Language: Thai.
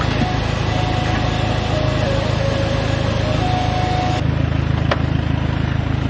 พี่ชอบจริงบอกว่าชอบทุก